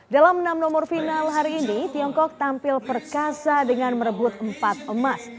dalam enam nomor final hari ini tiongkok tampil perkasa dengan merebut empat emas